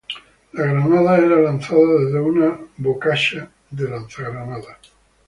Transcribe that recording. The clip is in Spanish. La granada era lanzada desde una bocacha lanzagranadas.